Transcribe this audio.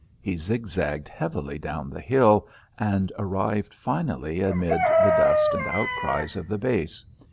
He zigzagged heavily down the hill, and arrived finally amid the dust and outcries of the base.